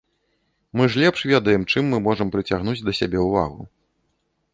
Мы ж лепш ведаем, чым мы можам прыцягнуць да сябе ўвагу.